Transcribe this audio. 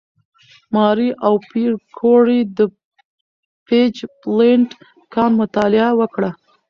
ماري او پېیر کوري د «پیچبلېند» کان مطالعه وکړه.